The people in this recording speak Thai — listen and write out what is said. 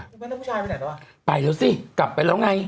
คุณแม่แล้วผู้ชายไปไหนแล้วว่ะไปแล้วสิกลับไปแล้วไง